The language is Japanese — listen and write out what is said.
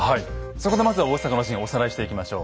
そこでまずは大坂の陣おさらいしていきましょう。